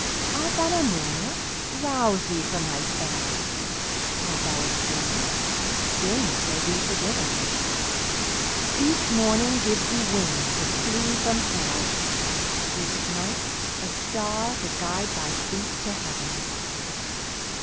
Art thou a mourner? Rouse thee from thy spell ; Art thou a sinner? Sins may be forgiven ; Each morning gives thee wings to flee from hell, Each night a star to guide thy feet to heaven.